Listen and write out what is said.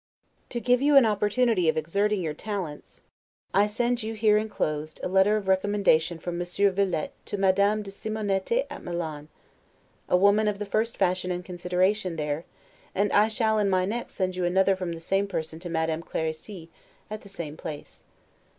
To give you an opportunity of exerting your talents, I send you, here inclosed, a letter of recommendation from Monsieur Villettes to Madame de Simonetti at Milan; a woman of the first fashion and consideration there; and I shall in my next send you another from the same person to Madame Clerici, at the same place.